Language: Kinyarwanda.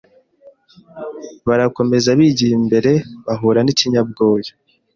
Barakomeza bigiye imbere bahura n'ikinyabwoya